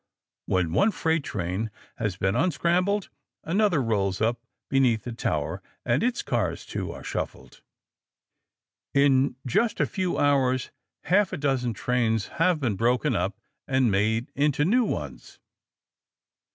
When one freight train has been unscrambled, another rolls up beneath the tower, and its cars, too, are shuffled. In just a few hours half a dozen trains have been broken up and made into new ones.